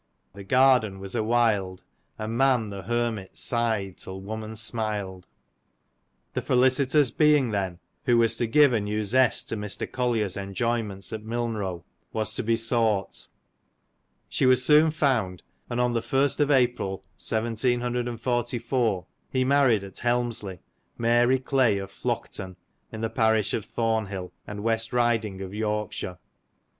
<i ### Tiig garden was a wild, And man the hermit sighed till woman smil'd. The felicitous being then, who was to give a new zest to Mr. Collier's enjoyments at Milnrow, was to be sought ; she was soon found, and on the first of April, 1744, he married at Helmsley, Mary Clay, of Flockton, in the parish of Thornhill, and West Eiding of Yorkshire.